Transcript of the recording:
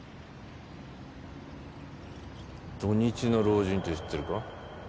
「土日の老人」って知ってるか？